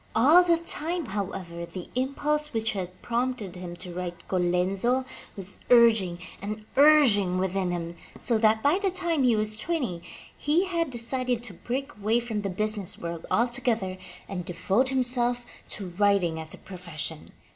All the time, however, the impulse which had prompted him to write Colenzo was urging and urging within him, so that, by the time he was twenty, he had decided to break away from the business world altogether and devote himself to writing as a profession.